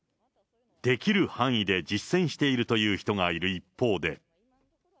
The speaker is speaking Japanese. できる範囲で実践しているという人がいる一方で。